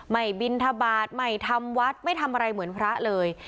บินทบาทไม่ทำวัดไม่ทำอะไรเหมือนพระเลย